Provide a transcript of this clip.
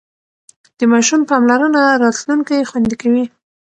د ماشوم پاملرنه راتلونکی خوندي کوي.